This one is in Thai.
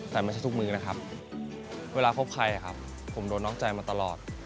แต่ไม่ใช่ทุกมือนะครับเวลาคบใครครับผมโดนนอกใจมาตลอด